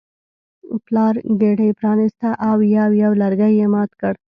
پلار ګېډۍ پرانیسته او یو یو لرګی یې مات کړ.